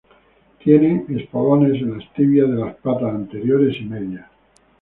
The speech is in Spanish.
Tienen espolones en las tibias de las patas anteriores y medias.